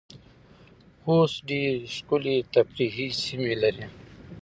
خوست ډیرې ښکلې تفریحې سیمې لرې